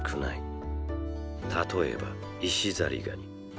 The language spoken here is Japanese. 例えば石ザリガニ。